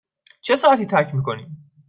چه ساعتی ترک می کنیم؟